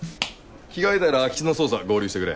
着替えたら空き巣の捜査合流してくれ。